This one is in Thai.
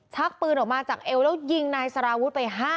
ชักปืนออกมาจากเอวแล้วยิงนายสราวุสไป๕นัทเลยนะคะ